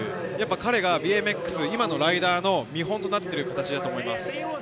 彼がＢＭＸの今のライダーの見本となっていると思います。